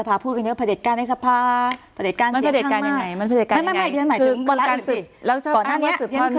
พูดพะเด็ดกานอันสภาพูดอย่างเช่นพระเด็ดกานอันสภาพลงทรีย์กาลับโรงสมัครหนาโรงมูลตรี